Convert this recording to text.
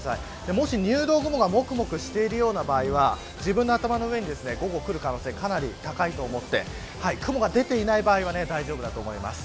もし入道雲がもくもくしている場合は自分の頭の上に午後、くる可能性が高いと思って雲が出ていない場合は大丈夫だと思います。